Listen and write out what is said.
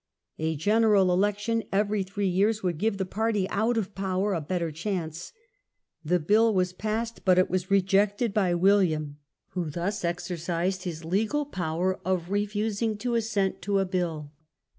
A general election every three years would give the party out of power a better chance ; the bill was passed, but was rejected by William, who thus exercised his legal power of refusing to assent to a bill.